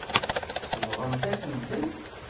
Tsebɣemt-asen-ten.